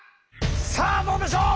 さあどうでしょう！